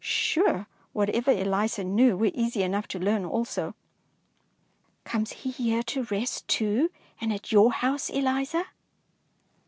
Sure, whatever Eliza knew were easy enough to learn also. '' Comes he here to rest too, and at your house, Eliza ?